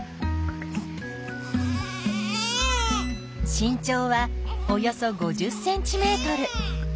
身長はおよそ５０ｃｍ。